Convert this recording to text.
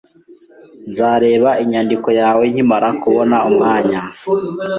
Nzareba inyandiko yawe nkimara kubona umwanya.